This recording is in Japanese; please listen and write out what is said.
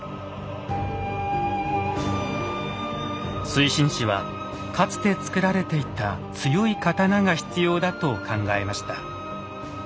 水心子はかつて作られていた強い刀が必要だと考えました。